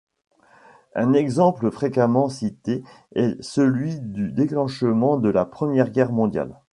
Un exemple fréquemment cité est celui du déclenchement de la Première Guerre mondiale.